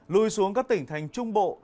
lùi xuống các tỉnh thành trung bộ